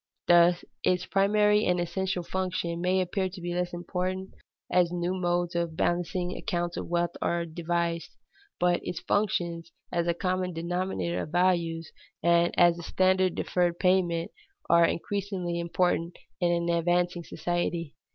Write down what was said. _ This, its primary and essential function, may appear to be less important as new modes of balancing accounts of wealth are devised. But its functions as a common denominator of values and as a standard of deferred payment are increasingly important in an advancing society.